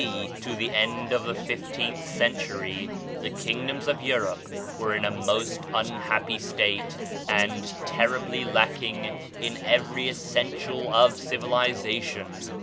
D. to the end of the fifteenth cen tury, the kingdoms of Europe were in a most un happy state and terribly lacking in every essential of civilization.